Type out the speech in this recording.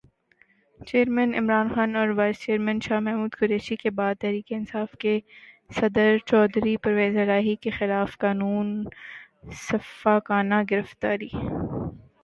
chairman Imran Khan اور vice chairman Shah Mahmood Qureshi کے بعد تحریک انصاف کے صدر چودھری پرویزالہٰی کی خلافِ قانون سفّاکانہ گرفتاری